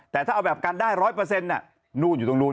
แต่ถ้าเอาแบบกันได้๑๐๐นู่นอยู่ตรงนู้น